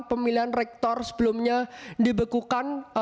pemilihan rektor sebelumnya dibekukan